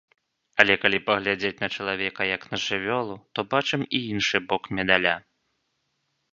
Але калі паглядзець на чалавека як на жывёлу, то бачым і іншы бок медаля.